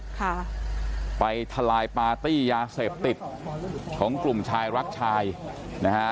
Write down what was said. ค่ะไปทลายปาร์ตี้ยาเสพติดของกลุ่มชายรักชายนะฮะ